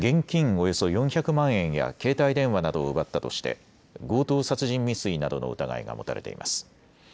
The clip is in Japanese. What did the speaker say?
およそ４００万円や携帯電話などを奪ったとして強盗殺人未遂などの疑いが持たれています。